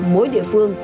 mỗi địa phương